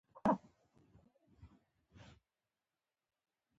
اسلام خصوصي ملکیت ته حدود ټاکلي دي.